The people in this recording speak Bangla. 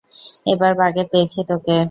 এবার বাগে পেয়েছি তোকে!